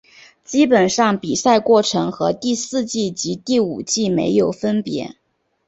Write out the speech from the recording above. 基本上比赛过程和第四季及第五季没有分别。